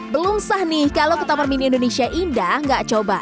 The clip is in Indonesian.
belum sah nih kalau ke taman mini indonesia indah nggak coba